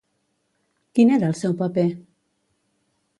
Quin era el seu paper?